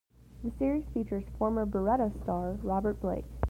The series features former "Baretta" star Robert Blake.